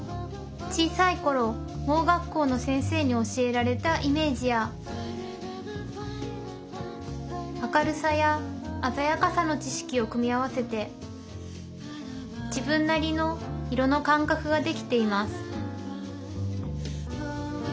小さい頃盲学校の先生に教えられたイメージや明るさや鮮やかさの知識を組み合わせて自分なりの色の感覚ができています